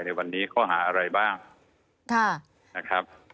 ในวันนี้ข้อหาอะไรบ้างนะครับ